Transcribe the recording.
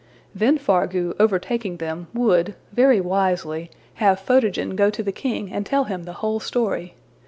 Then Fargu, overtaking them, would, very wisely, have Photogen go to the king and tell him the whole story.